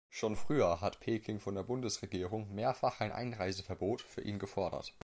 Schon früher hat Peking von der Bundesregierung mehrfach ein Einreiseverbot für ihn gefordert.